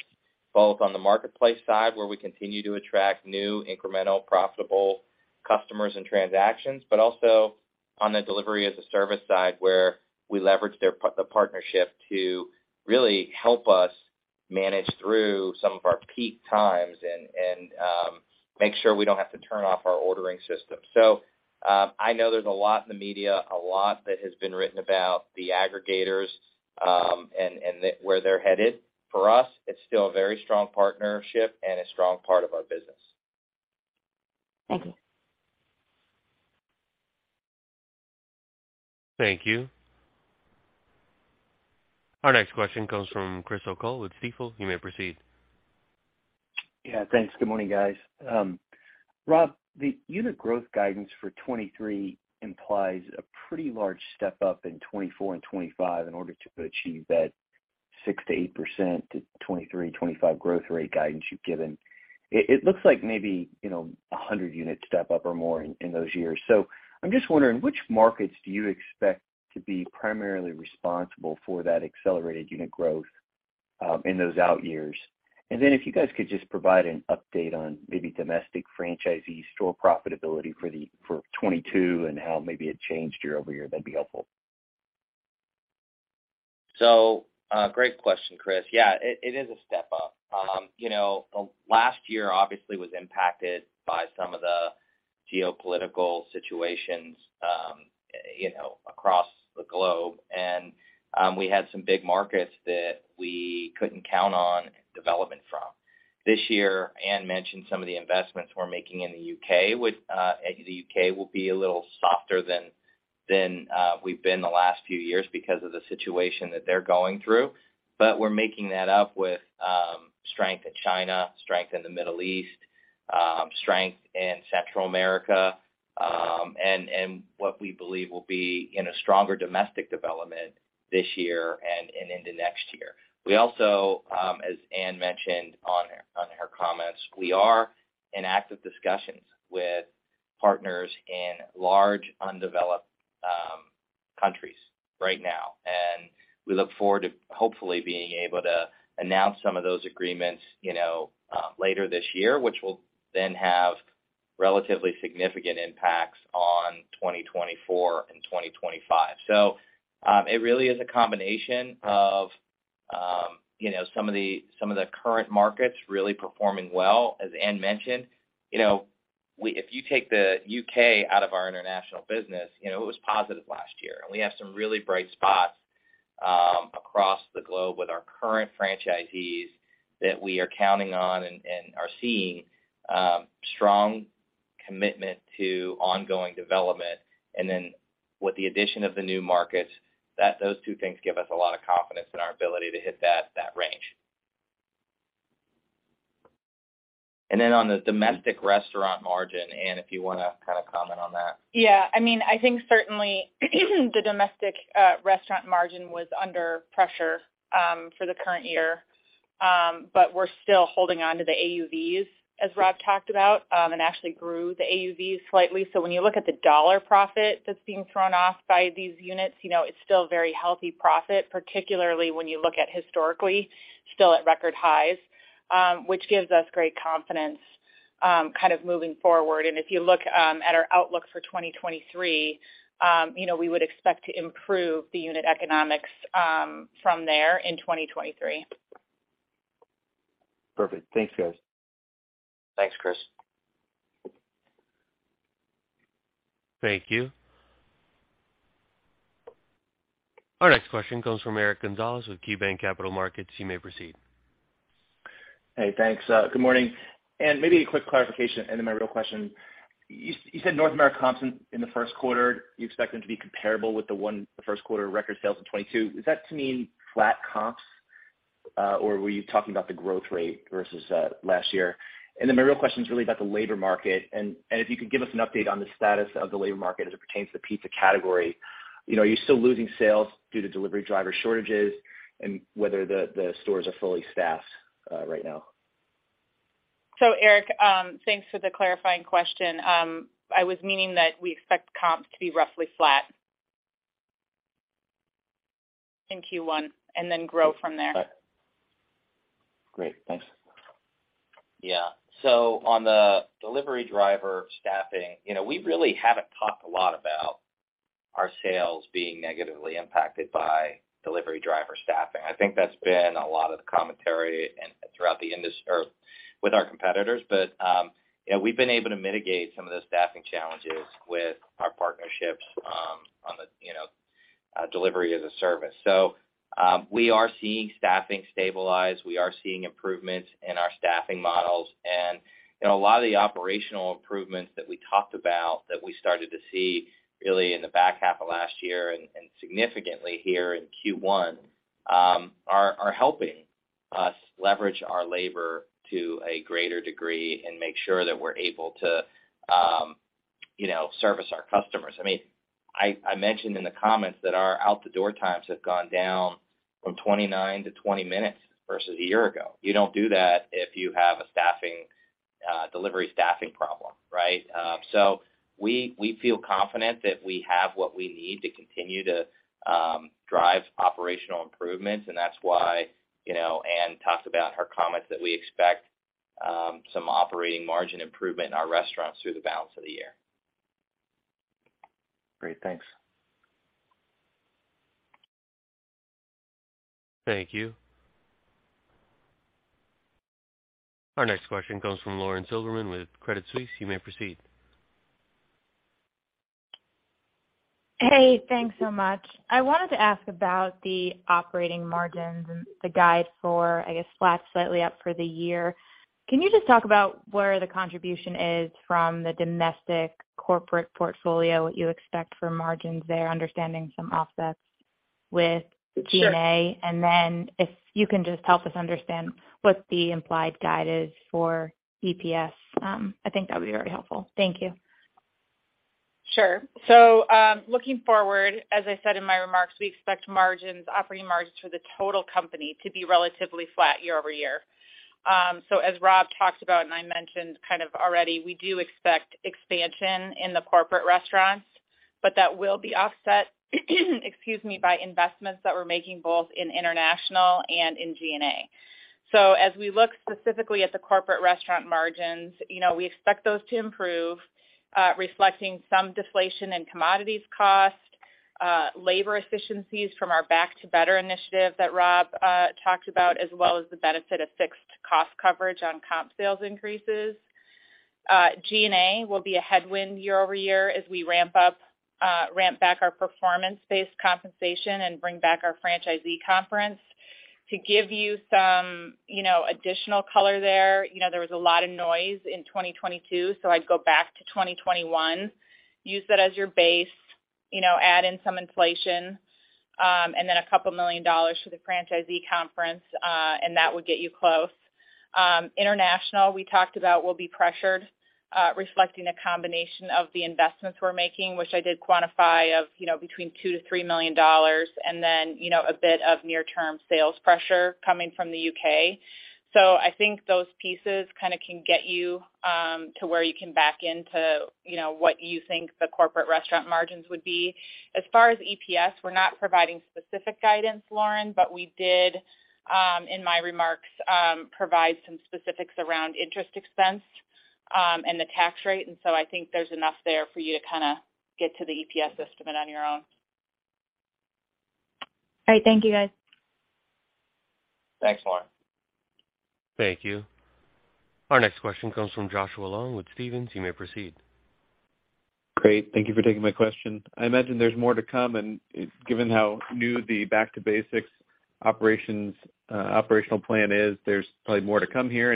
[SPEAKER 3] both on the marketplace side, where we continue to attract new incremental profitable customers and transactions, but also on the Delivery as a Service side, where we leverage the partnership to really help us manage through some of our peak times and make sure we don't have to turn off our ordering system. I know there's a lot in the media, a lot that has been written about the aggregators, where they're headed. For us, it's still a very strong partnership and a strong part of our business.
[SPEAKER 6] Thank you.
[SPEAKER 1] Thank you. Our next question comes from Chris O'Cull with Stifel. You may proceed.
[SPEAKER 7] Yeah. Thanks. Good morning, guys. Rob, the unit growth guidance for 2023 implies a pretty large step-up in 2024 and 2025 in order to achieve that 6%-8% 2023-2025 growth rate guidance you've given. It looks like maybe, you know, 100 units step up or more in those years. I'm just wondering, which markets do you expect to be primarily responsible for that accelerated unit growth in those out years? If you guys could just provide an update on maybe domestic franchisee store profitability for 2022 and how maybe it changed year-over-year, that'd be helpful.
[SPEAKER 3] Great question, Chris. Yeah, it is a step up. You know, last year obviously was impacted by some of the geopolitical situations, you know, across the globe. We had some big markets that we couldn't count on development from. This year, Ann mentioned some of the investments we're making in the U.K., the U.K. will be a little softer than we've been the last few years because of the situation that they're going through. We're making that up with strength in China, strength in the Middle East, strength in Central America, and what we believe will be in a stronger domestic development this year and into next year. We also, as Ann mentioned on her comments, we are in active discussions with partners in large undeveloped countries right now, and we look forward to hopefully being able to announce some of those agreements, you know, later this year, which will then have relatively significant impacts on 2024 and 2025. It really is a combination of, you know, some of the current markets really performing well, as Ann mentioned. You know, if you take the U.K out of our international business, you know, it was positive last year. We have some really bright spots across the globe with our current franchisees that we are counting on and are seeing strong commitment to ongoing development. With the addition of the new markets, those two things give us a lot of confidence in our ability to hit that range. On the domestic restaurant margin, Ann, if you wanna kind of comment on that.
[SPEAKER 4] Yeah. I mean, I think certainly the domestic restaurant margin was under pressure for the current year. We're still holding onto the AUVs, as Rob talked about, and actually grew the AUVs slightly. When you look at the dollar profit that's being thrown off by these units, you know, it's still very healthy profit, particularly when you look at historically, still at record highs, which gives us great confidence, kind of moving forward. If you look at our outlook for 2023, you know, we would expect to improve the unit economics from there in 2023.
[SPEAKER 7] Perfect. Thanks, guys.
[SPEAKER 3] Thanks, Chris.
[SPEAKER 1] Thank you. Our next question comes from Eric Gonzalez with KeyBanc Capital Markets. You may proceed.
[SPEAKER 8] Hey, thanks. Good morning. Maybe a quick clarification, and then my real question. You said North America comps in the first quarter, you expect them to be comparable with the first quarter record sales of 2022. Is that to mean flat comps, or were you talking about the growth rate versus last year? Then my real question is really about the labor market, and if you could give us an update on the status of the labor market as it pertains to the pizza category. You know, are you still losing sales due to delivery driver shortages, and whether the stores are fully staffed right now?
[SPEAKER 4] Eric, thanks for the clarifying question. I was meaning that we expect comps to be roughly flat in Q1 and then grow from there.
[SPEAKER 8] Great. Thanks.
[SPEAKER 3] Yeah. On the delivery driver staffing, you know, we really haven't talked a lot about our sales being negatively impacted by delivery driver staffing. I think that's been a lot of the commentary throughout or with our competitors. You know, we've been able to mitigate some of those staffing challenges with our partnerships on the, you know, Delivery as a Service. We are seeing staffing stabilize. We are seeing improvements in our staffing models. You know, a lot of the operational improvements that we talked about that we started to see really in the back half of last year significantly here in Q1 are helping us leverage our labor to a greater degree and make sure that we're able to You know, service our customers. I mean, I mentioned in the comments that our out-the-door times have gone down from 29-20 minutes versus a year ago. You don't do that if you have a staffing, delivery staffing problem, right? We feel confident that we have what we need to continue to drive operational improvements, and that's why, you know, Ann talked about in her comments that we expect some operating margin improvement in our restaurants through the balance of the year. Great. Thanks.
[SPEAKER 1] Thank you. Our next question comes from Lauren Silberman with Credit Suisse. You may proceed.
[SPEAKER 9] Hey, thanks so much. I wanted to ask about the operating margins and the guide for, I guess, flat slightly up for the year. Can you just talk about where the contribution is from the domestic corporate portfolio, what you expect for margins there, understanding some offsets with G&A?
[SPEAKER 3] Sure.
[SPEAKER 9] Then if you can just help us understand what the implied guide is for EPS, I think that would be very helpful. Thank you.
[SPEAKER 4] Sure. Looking forward, as I said in my remarks, we expect margins, operating margins for the total company to be relatively flat year-over-year. As Rob talked about, and I mentioned kind of already, we do expect expansion in the corporate restaurants, but that will be offset, excuse me, by investments that we're making both in international and in G&A. As we look specifically at the corporate restaurant margins, you know, we expect those to improve, reflecting some deflation in commodities cost, labor efficiencies from our Back to Better initiative that Rob talked about, as well as the benefit of fixed cost coverage on comp sales increases. G&A will be a headwind year-over-year as we ramp up, ramp back our performance-based compensation and bring back our franchisee conference. To give you some, you know, additional color there, you know, there was a lot of noise in 2022, so I'd go back to 2021, use that as your base, you know, add in some inflation, and then $2 million for the franchisee conference, and that would get you close. international, we talked about, will be pressured, reflecting a combination of the investments we're making, which I did quantify of, you know, between $2-3 million, and then, you know, a bit of near-term sales pressure coming from the UK. I think those pieces kinda can get you to where you can back into, you know, what you think the corporate restaurant margins would be. As far as EPS, we're not providing specific guidance, Lauren, but we did in my remarks provide some specifics around interest expense and the tax rate. I think there's enough there for you to kinda get to the EPS estimate on your own.
[SPEAKER 9] All right. Thank you, guys.
[SPEAKER 3] Thanks, Lauren.
[SPEAKER 1] Thank you. Our next question comes from Joshua Long with Stephens. You may proceed.
[SPEAKER 10] Great. Thank you for taking my question. I imagine there's more to come, and given how new the Back to Basics operations, operational plan is, there's probably more to come here.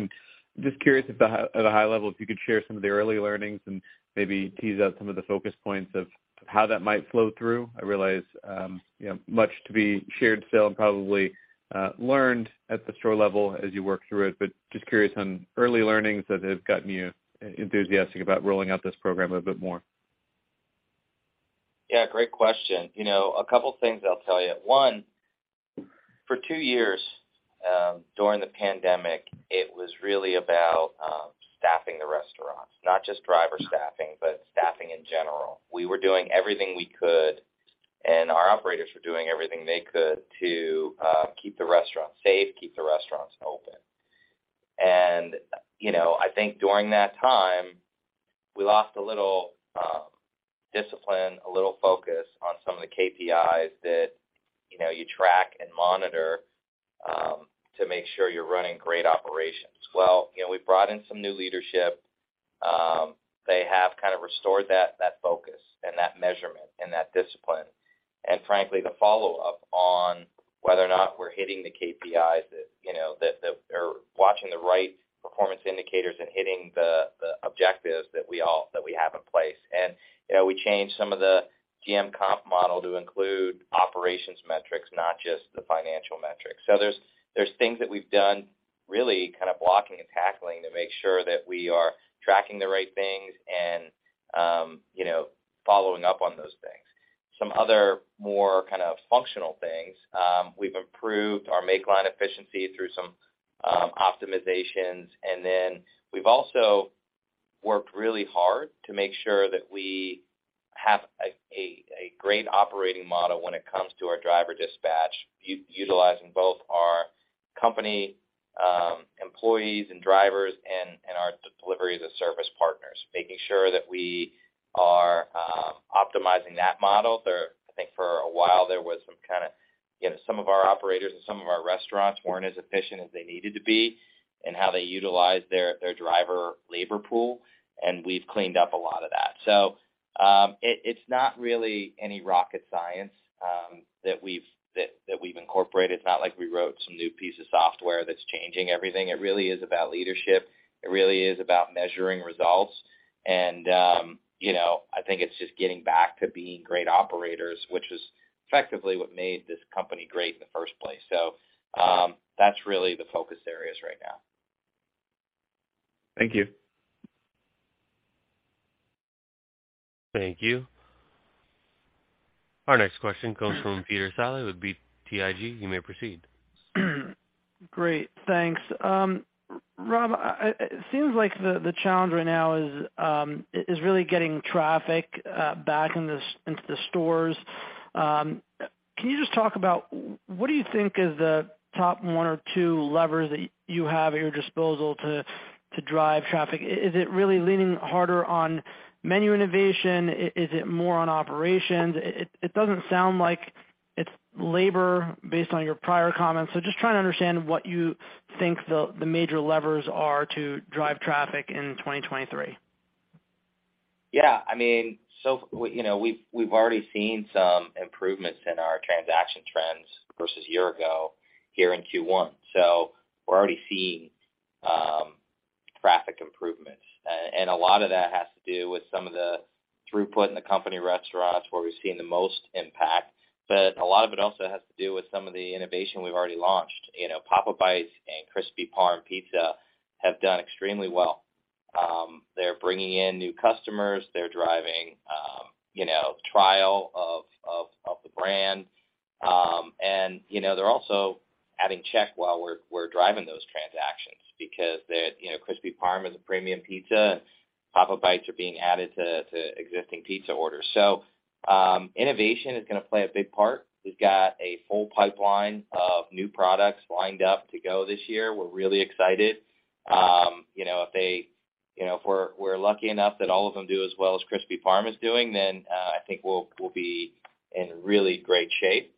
[SPEAKER 10] Just curious at a high level, if you could share some of the early learnings and maybe tease out some of the focus points of how that might flow through. I realize, you know, much to be shared still and probably learned at the store level as you work through it, but just curious on early learnings that have gotten you enthusiastic about rolling out this program a little bit more.
[SPEAKER 3] Yeah, great question. You know, a couple things I'll tell you. One, for two years, during the pandemic, it was really about staffing the restaurants, not just driver staffing, but staffing in general. We were doing everything we could, and our operators were doing everything they could to keep the restaurant safe, keep the restaurants open. You know, I think during that time, we lost a little discipline, a little focus on some of the KPIs that, you know, you track and monitor to make sure you're running great operations. You know, we brought in some new leadership. They have kind of restored that focus and that measurement and that discipline. Frankly, the follow-up on whether or not we're hitting the KPIs that, you know, that they're watching the right performance indicators and hitting the objectives that we have in place. You know, we changed some of the GM comp model to include operations metrics, not just the financial metrics. There's things that we've done really kind of blocking and tackling to make sure that we are tracking the right things and, you know, following up on those things. Some other more kind of functional things, we've improved our make line efficiency through some optimizations. We've also worked really hard to make sure that we have a great operating model when it comes to our driver dispatch, utilizing both our company employees and drivers and our Delivery as a Service partners, making sure that we are optimizing that model. I think for a while there was some kind of, you know, some of our operators and some of our restaurants weren't as efficient as they needed to be in how they utilized their driver labor pool, we've cleaned up a lot of that. It's not really any rocket science that we've incorporated. It's not like we wrote some new piece of software that's changing everything. It really is about leadership. It really is about measuring results. you know, I think it's just getting back to being great operators, which is effectively what made this company great in the first place. that's really the focus areas right now.
[SPEAKER 10] Thank you.
[SPEAKER 1] Thank you. Our next question comes from Peter Saleh with BTIG. You may proceed.
[SPEAKER 11] Great. Thanks. Rob, it seems like the challenge right now is really getting traffic back into the stores. Can you just talk about what do you think is the top one or two levers that you have at your disposal to drive traffic? Is it really leaning harder on menu innovation? Is it more on operations? It doesn't sound like it's labor based on your prior comments. Just trying to understand what you think the major levers are to drive traffic in 2023.
[SPEAKER 3] You know, we've already seen some improvements in our transaction trends versus a year ago here in Q1. We're already seeing traffic improvements. A lot of that has to do with some of the throughput in the company restaurants where we've seen the most impact. A lot of it also has to do with some of the innovation we've already launched. You know, Papa Bites and Crispy Parm Pizza have done extremely well. They're bringing in new customers. They're driving, you know, trial of the brand. You know, they're also adding check while we're driving those transactions because that, you know, Crispy Parm is a premium pizza. Papa Bites are being added to existing pizza orders. Innovation is gonna play a big part. We've got a full pipeline of new products lined up to go this year. We're really excited. you know, if they, you know, if we're lucky enough that all of them do as well as Crispy Parm is doing, then I think we'll be in really great shape.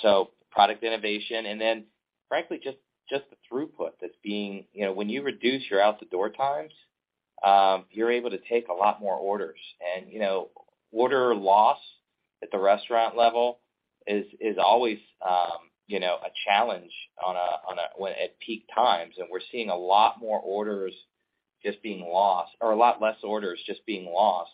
[SPEAKER 3] So product innovation. Then frankly, just the throughput. You know, when you reduce your out-the-door times, you're able to take a lot more orders. you know, order loss at the restaurant level is always, you know, a challenge when at peak times, and we're seeing a lot more orders just being lost or a lot less orders just being lost,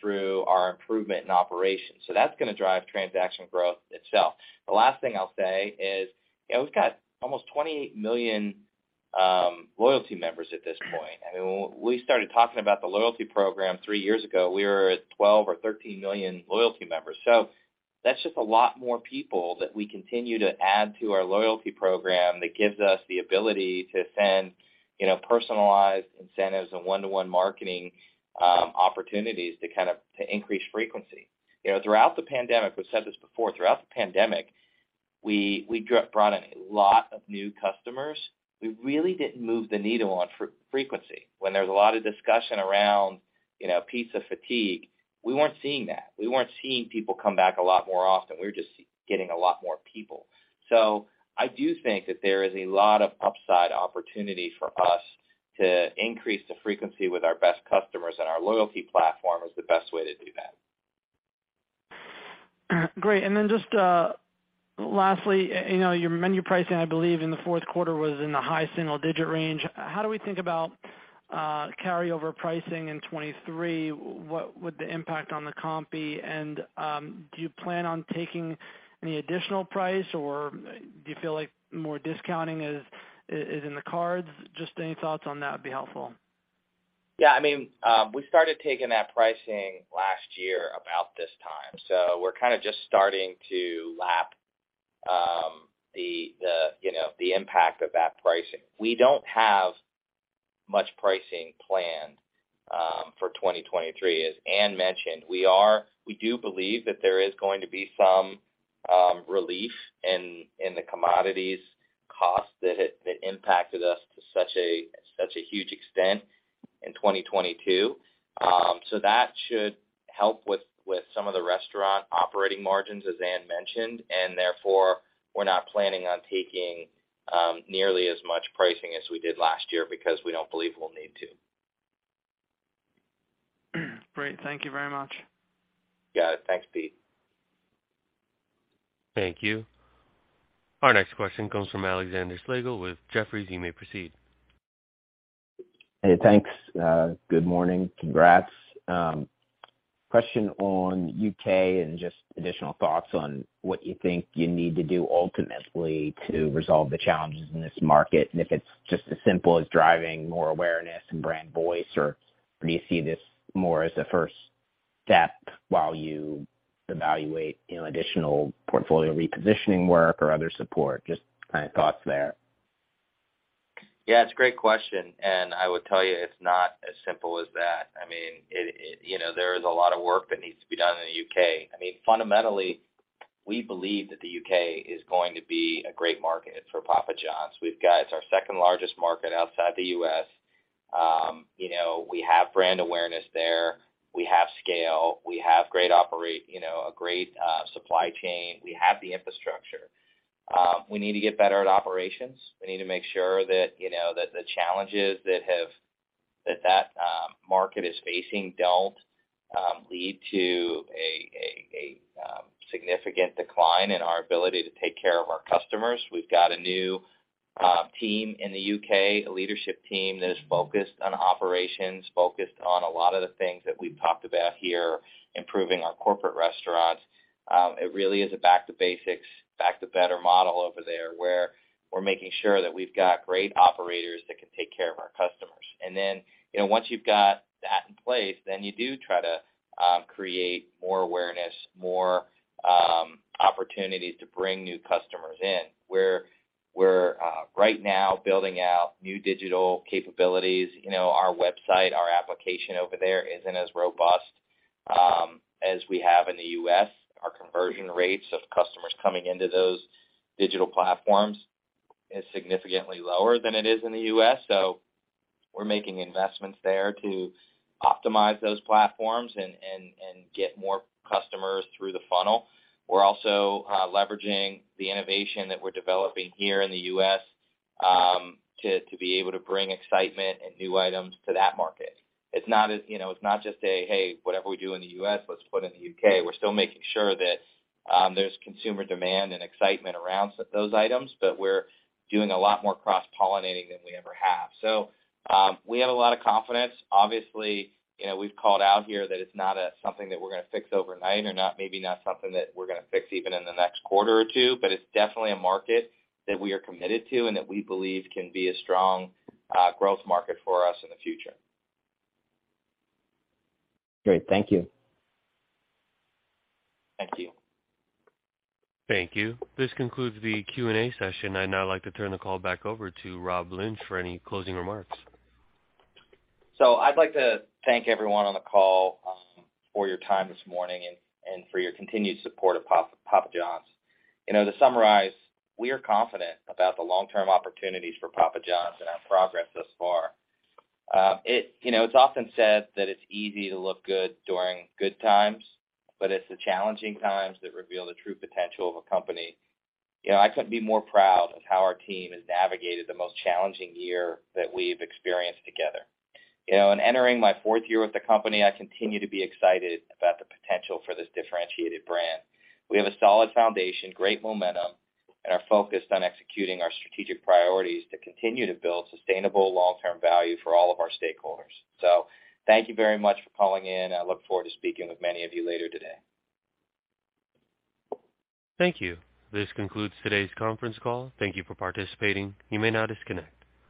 [SPEAKER 3] through our improvement in operations. That's gonna drive transaction growth itself. The last thing I'll say is, you know, we've got almost 20 million loyalty members at this point. I mean, when we started talking about the loyalty program three years ago, we were at 12 or 13 million loyalty members. That's just a lot more people that we continue to add to our loyalty program that gives us the ability to send, you know, personalized incentives and one-to-one marketing opportunities to kind of, to increase frequency. You know, throughout the pandemic, we've said this before, throughout the pandemic, we brought in a lot of new customers. We really didn't move the needle on frequency. When there's a lot of discussion around, you know, pizza fatigue, we weren't seeing that. We weren't seeing people come back a lot more often. We were just getting a lot more people. I do think that there is a lot of upside opportunity for us to increase the frequency with our best customers, and our loyalty platform is the best way to do that.
[SPEAKER 11] Great. Then just, lastly, you know, your menu pricing, I believe in the fourth quarter was in the high single-digit percent range. How do we think about, carryover pricing in 2023? What would the impact on the comp be? Do you plan on taking any additional price, or do you feel like more discounting is in the cards? Just any thoughts on that would be helpful.
[SPEAKER 3] Yeah. I mean, we started taking that pricing last year about this time. We're kind of just starting to lap, the, you know, the impact of that pricing. We don't have much pricing planned, for 2023. As Ann mentioned, we do believe that there is going to be some relief in the commodities costs that impacted us to such a huge extent in 2022. That should help with some of the restaurant operating margins, as Ann mentioned. Therefore, we're not planning on taking nearly as much pricing as we did last year because we don't believe we'll need to.
[SPEAKER 11] Great. Thank you very much.
[SPEAKER 3] Got it. Thanks, Pete.
[SPEAKER 1] Thank you. Our next question comes from Alexander Slagle with Jefferies. You may proceed.
[SPEAKER 12] Hey, thanks. Good morning. Congrats. Question on U.K. and just additional thoughts on what you think you need to do ultimately to resolve the challenges in this market, and if it's just as simple as driving more awareness and brand voice, or do you see this more as a first step while you evaluate, you know, additional portfolio repositioning work or other support? Just kind of thoughts there.
[SPEAKER 3] Yeah, it's a great question. I would tell you it's not as simple as that. I mean, you know, there is a lot of work that needs to be done in the U.K. I mean, fundamentally, we believe that the U.K. is going to be a great market for Papa Johns. It's our second largest market outside the U.S. You know, we have brand awareness there. We have scale. We have, you know, a great supply chain. We have the infrastructure. We need to get better at operations. We need to make sure that, you know, that the challenges that market is facing don't lead to a significant decline in our ability to take care of our customers. We've got a new team in the U.K., a leadership team that is focused on operations, focused on a lot of the things that we've talked about here, improving our corporate restaurants. It really is a Back to Basics, Back to Better model over there, where we're making sure that we've got great operators that can take care of our customers. You know, once you've gotIn place, you do try to create more awareness, more opportunities to bring new customers in. We're right now building out new digital capabilities. You know, our website, our application over there isn't as robust as we have in the U.S. Our conversion rates of customers coming into those digital platforms is significantly lower than it is in the U.S. We're making investments there to optimize those platforms and get more customers through the funnel. We're also leveraging the innovation that we're developing here in the U.S. to be able to bring excitement and new items to that market. It's not as... you know, it's not just a, hey, whatever we do in the U.S., let's put in the U.K. We're still making sure that there's consumer demand and excitement around those items, but we're doing a lot more cross-pollinating than we ever have. We have a lot of confidence. Obviously, you know, we've called out here that it's not a something that we're gonna fix overnight or not, maybe not something that we're gonna fix even in the next quarter or two, but it's definitely a market that we are committed to and that we believe can be a strong, growth market for us in the future. Great. Thank you. Thank you.
[SPEAKER 1] Thank you. This concludes the Q&A session. I'd now like to turn the call back over to Rob Lynch for any closing remarks.
[SPEAKER 3] I'd like to thank everyone on the call for your time this morning and for your continued support of Papa Johns. You know, to summarize, we are confident about the long-term opportunities for Papa Johns and our progress thus far. You know, it's often said that it's easy to look good during good times, but it's the challenging times that reveal the true potential of a company. You know, I couldn't be more proud of how our team has navigated the most challenging year that we've experienced together. You know, in entering my fourth year with the company, I continue to be excited about the potential for this differentiated brand. We have a solid foundation, great momentum, and are focused on executing our strategic priorities to continue to build sustainable long-term value for all of our stakeholders. Thank you very much for calling in, and I look forward to speaking with many of you later today.
[SPEAKER 1] Thank you. This concludes today's conference call. Thank you for participating. You may now disconnect.